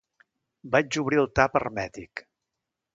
Vaig obrir el tap hermètic.